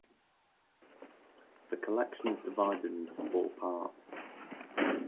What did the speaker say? The collection is divided into four parts.